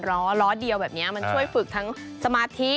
ล้อล้อเดียวแบบนี้มันช่วยฝึกทั้งสมาธิ